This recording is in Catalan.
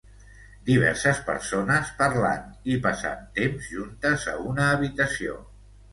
Diverses persones parlant i passant temps juntes a una habitació.